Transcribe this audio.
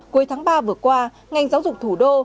cuối tháng ba vừa qua ngành giáo dục thủ đô